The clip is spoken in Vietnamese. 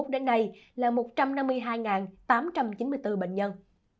một trăm hai mươi một đến nay là một trăm năm mươi hai tám trăm chín mươi bốn bệnh nhân